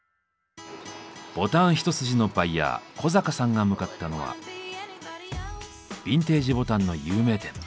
ボタン一筋のバイヤー小坂さんが向かったのはビンテージボタンの有名店。